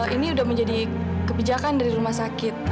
ini sudah menjadi kebijakan dari rumah sakit